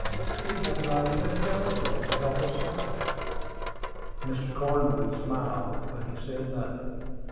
We have not even a guide book to help us out." Mr. Cornwood smiled, but he said nothing.